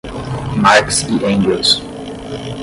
Marx e Engels